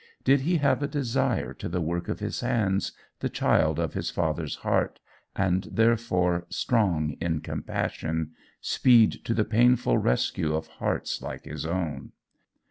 Did he have a desire to the work of his hands, the child of his father's heart, and therefore, strong in compassion, speed to the painful rescue of hearts like his own?